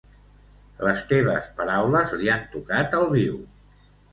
Les teves paraules li han tocat el viu.